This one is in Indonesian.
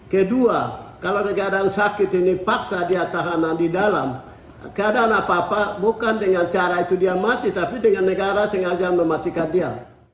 kedua kalau ada keadaan sakit ini paksa dia tahanan di dalam keadaan apa apa bukan dengan cara itu dia mati tapi dengan negara sengaja mematikan dia